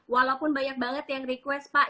walaupun banyak banget yang request pak